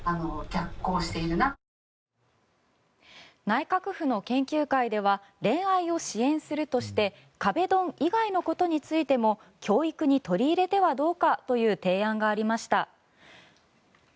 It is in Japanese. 内閣府の研究会では恋愛を支援するとして壁ドン以外のことについても教育に取り入れてはどうかという提案がありました。